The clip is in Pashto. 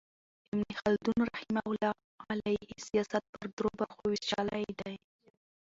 ابن خلدون رحمة الله علیه سیاست پر درو برخو ویشلی دئ.